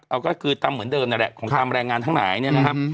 เอาก็คือตามเหมือนเดิมนั่นแหละของตามแรงงานทั้งหลายเนี่ยนะครับ